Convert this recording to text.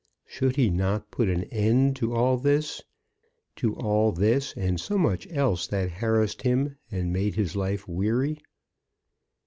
Should he not put an end to all this, to all this and so much else that harassed him and made life weary.